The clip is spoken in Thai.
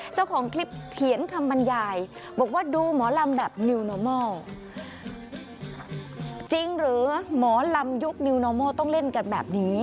เจ้าของคลิปเขียนคำบรรยายบอกว่าดูหมอลำแบบจริงหรือหมอลำยุคต้องเล่นกันแบบนี้